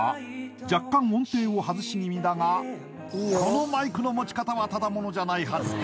若干音程を外しぎみだがこのマイクの持ち方はただ者じゃないはず